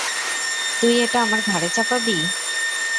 তুই এটা আমার ঘাড়ে চাপাবি?